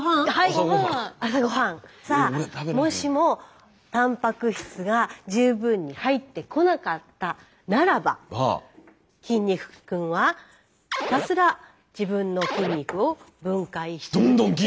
さあもしもたんぱく質が十分に入ってこなかったならば筋肉君はひたすら自分の筋肉を分解して。